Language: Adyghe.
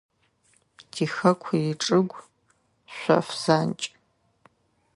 Тихэку ичӏыгу – шъоф занкӏ.